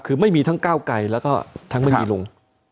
คือไม่มีทั้งก้าวไกลแล้วก็ทั้งไม่มีลุง